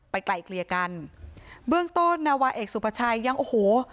ไกลเกลี่ยกันเบื้องต้นนาวาเอกสุภาชัยยังโอ้โห